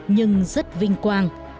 nhưng rất vinh quang